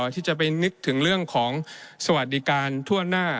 ที่จะไปนึกถึงเรื่องของสวัสดิการทั่วหน้า